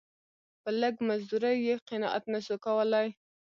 په لږ مزدوري یې قناعت نه سو کولای.